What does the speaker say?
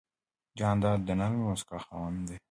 جانداد د نرمې موسکا خاوند دی.